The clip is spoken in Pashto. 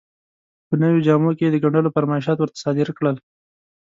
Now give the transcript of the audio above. په نویو جامو کې یې د ګنډلو فرمایشات ورته صادر کړل.